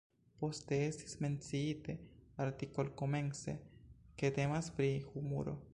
Poste estis menciite artikol-komence, ke temas pri humuro.